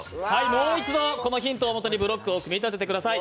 もう一度、ヒントをもとにこのブロックを積み上げてください。